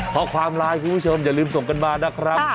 ข้อความไลน์คุณผู้ชมอย่าลืมส่งกันมานะครับ